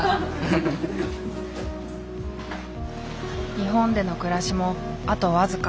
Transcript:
日本での暮らしもあと僅か。